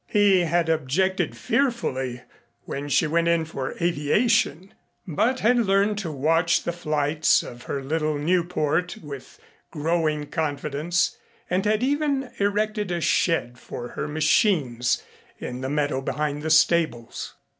He had objected fearfully when she went in for aviation, but had learned to watch the flights of her little Nieuport with growing confidence and had even erected a shed for her machines in the meadow behind the stables.